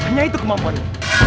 hanya itu kemampuanmu